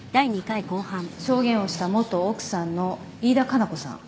証言をした元奥さんの飯田加奈子さん。